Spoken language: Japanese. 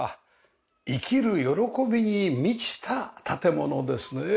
生きる喜びに満ちた建物ですね。